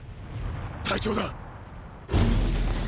隊長だ！